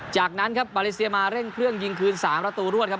จากนั้นครับมาเลเซียมาเร่งเครื่องยิงคืน๓ประตูรวดครับ